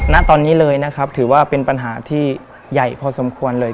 ณตอนนี้เลยนะครับถือว่าเป็นปัญหาที่ใหญ่พอสมควรเลย